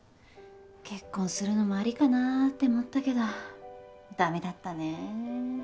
結婚するのもありかなって思ったけどダメだったね。